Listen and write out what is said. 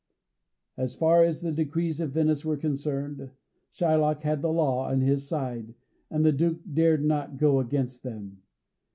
As far as the decrees of Venice were concerned, Shylock had the law on his side, and the Duke dared not go against them.